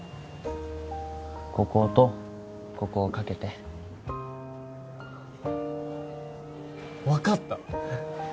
こことここをかけて分かった！